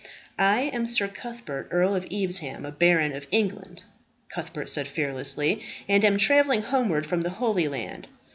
"I am Sir Cuthbert, Earl of Evesham, a baron of England," Cuthbert said fearlessly, "and am travelling homeward from the Holy Land.